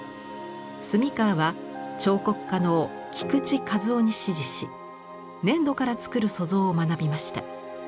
澄川は彫刻家の菊池一雄に師事し粘土から作る塑像を学びました。